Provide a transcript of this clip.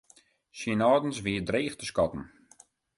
Syn âldens wie dreech te skatten.